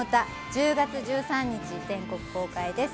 １０月１３日に全国公開です。